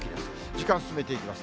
時間進めていきます。